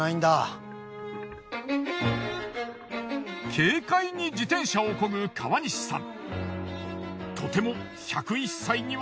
軽快に自転車をこぐ川西さん。